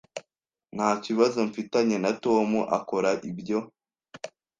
Nta kibazo mfitanye na Tom akora ibyo.